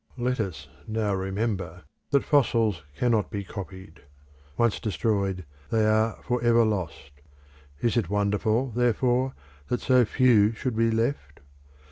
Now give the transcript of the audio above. Let us now remember that fossils cannot be copied; once destroyed, they are for ever lost. Is it wonderful, therefore, that so few should be left?